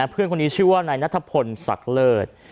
เพื่อนคนนี้ชื่อว่านายนัทพลศักดิ์เลิศ